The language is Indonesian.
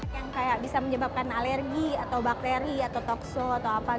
yang kayak bisa menyebabkan alergi atau bakteri atau tokso atau apa